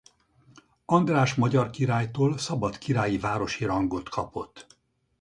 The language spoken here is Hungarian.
András magyar királytól szabad királyi városi rangot kapott.